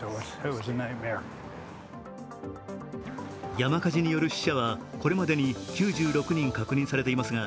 山火事による死者はこれまでに９６人確認されていますが、